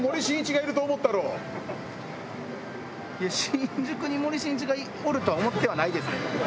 新宿に森進一がおるとは思ってはないですけど。